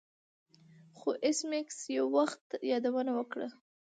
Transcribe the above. خو ایس میکس یو وخت یادونه وکړه